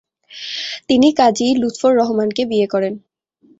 তিনি কাজী লুৎফর রহমানকে বিয়ে করেন।